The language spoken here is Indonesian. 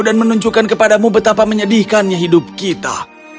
dan menunjukkan kepadamu betapa menyedihkannya hidup kita